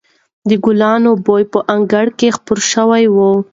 د ګلانو بوی په انګړ کې خپور شوی و.